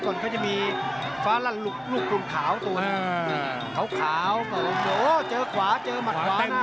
ก็จะมีฟ้าลั่นลุกลุกลุงขาวตัวนี้ขาวขาวโอ้โหเจอขวาเจอมัดขวาหน้า